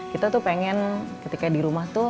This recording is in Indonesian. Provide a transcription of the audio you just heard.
kita tuh pengen ketika di rumah tuh